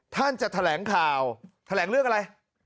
ท่านจะแถลงข่าวแถลงเรื่องอะไร